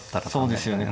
そうですよね。